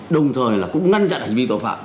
đồng thời là cũng ngăn chặn hành vi tội phạm